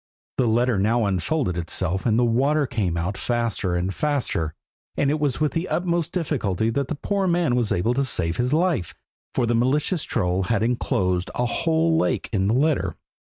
The letter now unfolded itself and the water came out faster and faster, and it was with the utmost difficulty the poor man was able to save his life, for the malicious troll had enclosed a whole lake in the letter.